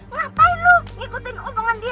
ngapain lu ngikutin hubungan dia